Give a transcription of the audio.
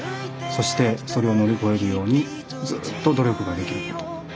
そしてそれを乗り越えるようにずっと努力ができる事。